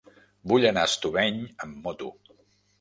Vull anar a Estubeny amb moto.